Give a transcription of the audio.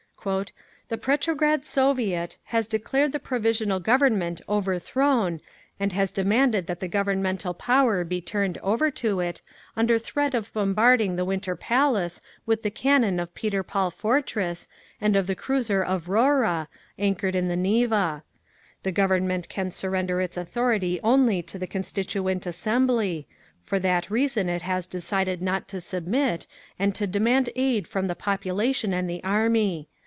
_ "The Petrograd Soviet…. has declared the Provisional Government overthrown, and has demanded that the Governmental power be turned over to it, under threat of bombarding the Winter Palace with the cannon of Peter Paul Fortress, and of the cruiser Avrora, anchored in the Neva. "The Government can surrender its authority only to the Consituent Assembly; for that reason it has decided not to submit, and to demand aid from the population and the Army.